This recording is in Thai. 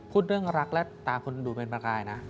พูดเรื่องรักและตาคนดูเป็นประกายนะ